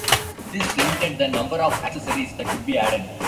This limited the number of accessories that could be added.